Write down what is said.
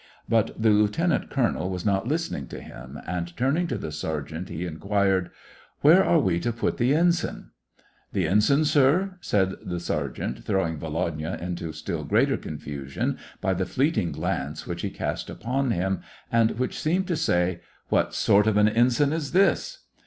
But the lieutenant colonel was not listening to him, and, turning to the sergeant, he inquired :—" Where are we to put the ensign ?"" The ensign, sir ?" said the sergeant, throwing Volodya into still greater confusion by the fleeting glance which he cast upon him, and which seemed to say, What sort of an ensign is this